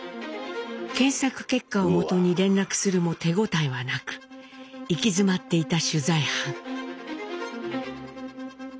検索結果をもとに連絡するも手応えはなく行き詰まっていた取材班。